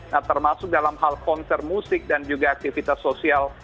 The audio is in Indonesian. nah termasuk dalam hal konser musik dan juga aktivitas sosial